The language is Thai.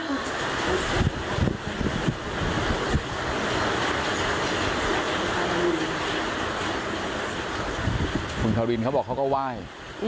ของคุณคาวรินเขาบอกของเขาก็ไหว้